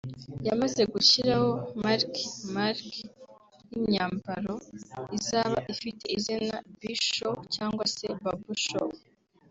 yamaze gushyiraho marike (marque) y’imyambaro izaba ifite izina B-Show cyangwa se Babou Show